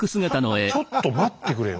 ちょっと待ってくれよ。